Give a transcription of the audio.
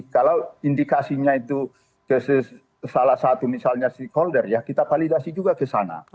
kalau indikasinya itu ke salah satu misalnya stakeholder ya kita validasi juga ke sana